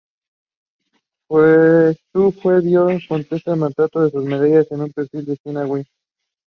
The name is the first three letters of each word combined.